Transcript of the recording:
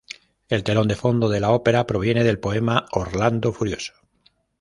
El telón de fondo de la ópera proviene del poema "Orlando Furioso.